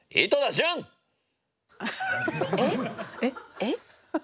えっ？